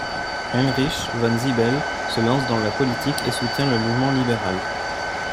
Heinrich von Sybel se lance dans la politique et soutient le mouvement libéral.